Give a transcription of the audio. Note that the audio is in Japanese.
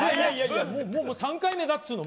もう３回目だっつーの。